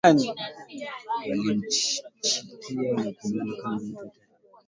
walimchikia na kumuona kuwa mtu hatari Alipoingia madarakani baada ya kumpindua Mfalme Idriss mwaka